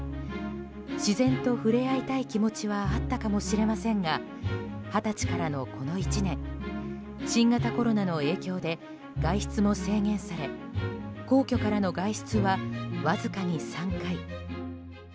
自然と触れ合いたい気持ちはあったかもしれませんが二十歳からの、この１年新型コロナの影響で外出も制限され皇居からの外出はわずかに３回。